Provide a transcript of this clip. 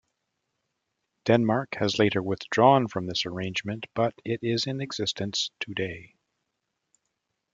Denmark has later withdrawn from this arrangement but it is in existence today.